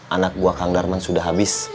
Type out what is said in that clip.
anak buah kang garmen sudah habis